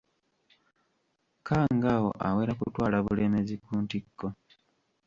Kkangaawo awera kutwala Bulemeezi ku ntikko.